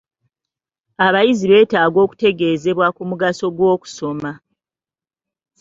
Abayizi beetaaga okutegeezebwa ku mugaso gw'okusoma.